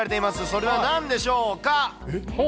それはなんでしょうか。